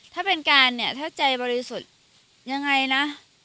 ถ้าเป็นการเนี่ยถ้าใจบริสุทธิ์ยังไงนะ